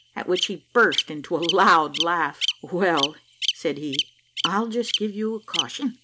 At which he burst into a loud laugh. "Well," said he, "I'll just give you a caution.